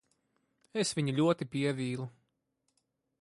Es viņu ļoti pievīlu.